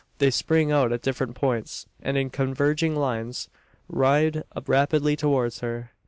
They spring out at different points; and, in converging lines, ride rapidly towards her!